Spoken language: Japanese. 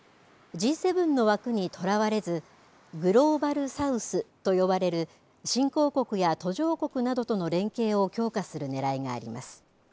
Ｇ７の枠にとらわれずグローバル・サウスと呼ばれる新興国や途上国などとの連携を強化するねらいがあります。